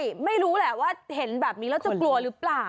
ใช่ไม่รู้แหละว่าเห็นแบบนี้แล้วจะกลัวหรือเปล่า